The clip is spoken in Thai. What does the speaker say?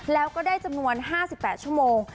แล้วก็ได้จำนวน๕๘ชั่วโมง